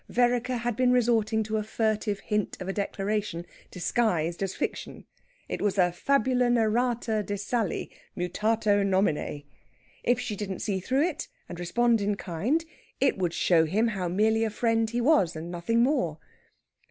Vereker had been resorting to a furtive hint of a declaration, disguised as fiction. It was a fabula narrata de Sally, mutato nomine. If she didn't see through it, and respond in kind, it would show him how merely a friend he was, and nothing more.